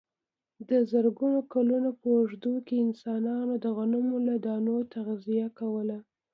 د زرګونو کلونو په اوږدو کې انسانانو د غنمو له دانو تغذیه کوله.